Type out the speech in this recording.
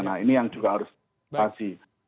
nah ini yang juga harus dibatasi